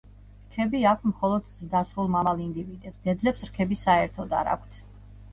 რქები აქვთ მხოლოდ ზრდასრულ მამალ ინდივიდებს, დედლებს რქები საერთოდ არ აქვთ.